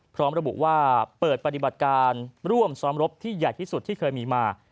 พร้อมระบุว่าเปิดปฏิบัติการร่วมซ้อมรบที่ใหญ่ที่สุดที่เคยมีมา